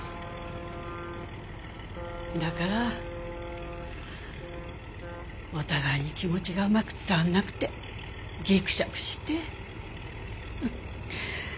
だからお互いに気持ちがうまく伝わらなくてギクシャクして。